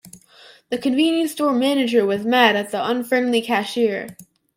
The convenience store manager was mad at the unfriendly cashier.